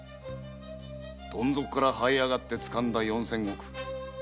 どん底からはい上がってつかんだ四千石